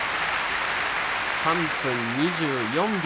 ３分２４秒。